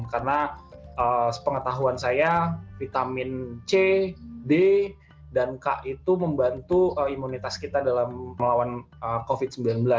karena sepengetahuan saya vitamin c d dan k itu membantu imunitas kita dalam melawan covid sembilan belas